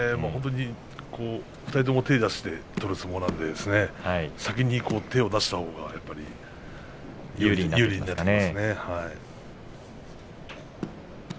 ２人とも手を出して取る相撲なので先に手を出したほうが有利になってきますね。